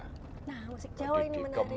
nah musik jawa ini menarik